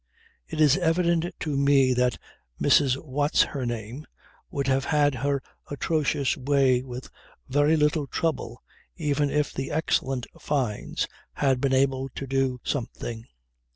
It is evident to me that Mrs. What's her name would have had her atrocious way with very little trouble even if the excellent Fynes had been able to do something.